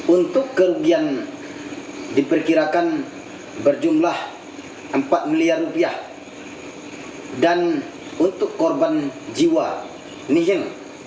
untuk kerugian diperkirakan berjumlah empat miliar rupiah dan untuk korban jiwa niheng